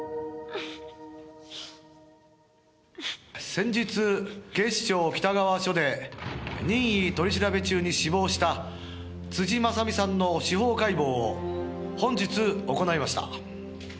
「先日警視庁北川署で任意取り調べ中に死亡した辻正巳さんの司法解剖を本日行いました」